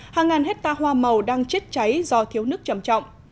hàng ngàn hecta hoa màu đang chết cháy do thiếu nước trầm trọng